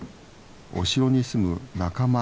お城に住む仲間。